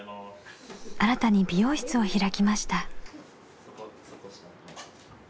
新たに美容室を開きました。